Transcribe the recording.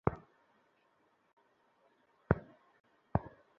দুপুরের নিদ্রার সময় অতিবাহিত হয়ে গেল।